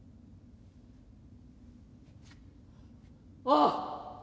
「ああ！」。